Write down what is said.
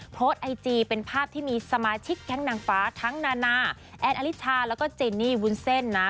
โพสต์ไอจีเป็นภาพที่มีสมาชิกแก๊งนางฟ้าทั้งนานาแอนอลิชาแล้วก็เจนนี่วุ้นเส้นนะ